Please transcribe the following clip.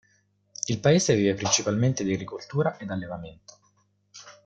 Il paese vive principalmente di agricoltura ed allevamento.